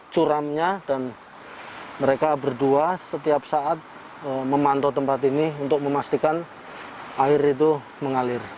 curamnya dan mereka berdua setiap saat memantau tempat ini untuk memastikan air itu mengalir